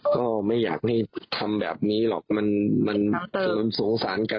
ก็ไม่อยากให้ทำแบบนี้หรอกมันสงสารกัน